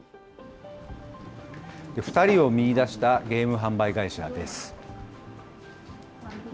２人を見いだしたゲーム販売会社です。